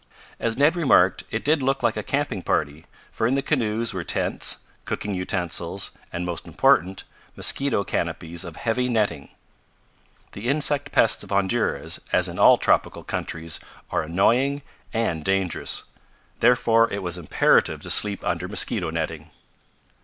As Ned remarked, it did look like a camping party, for in the canoes were tents, cooking utensils and, most important, mosquito canopies of heavy netting. The insect pests of Honduras, as in all tropical countries, are annoying and dangerous. Therefore it was imperative to sleep under mosquito netting.